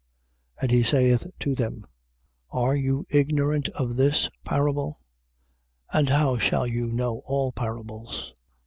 And he saith to them: Are you ignorant of this, parable? and how shall you know all parables?